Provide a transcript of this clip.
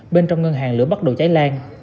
bên trong ngân hàng lửa bắt đầu cháy lan